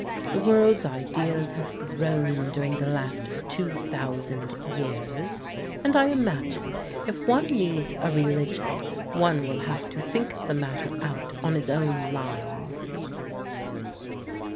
The world's ideas have grown during the last two thou sand years, and I imagine if one needs a religion one will have to think the matter out on his own lines."